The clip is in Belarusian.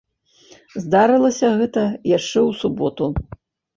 Здарылася гэта яшчэ ў суботу.